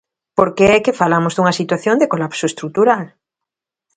Porque é que falamos dunha situación de colapso estrutural.